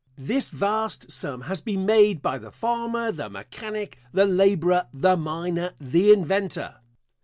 This vast sum has been made by the farmer, the mechanic, the laborer, the miner, the inventor.